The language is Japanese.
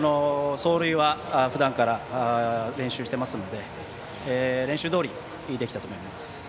走塁はふだんから練習してますので練習どおりできたと思います。